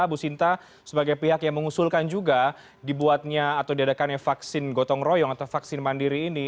bu sinta sebagai pihak yang mengusulkan juga dibuatnya atau diadakannya vaksin gotong royong atau vaksin mandiri ini